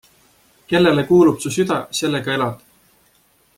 Kellele kuulub su süda, sellega elad.